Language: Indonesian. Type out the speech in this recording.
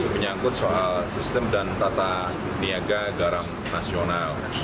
menyangkut soal sistem dan tata niaga garam nasional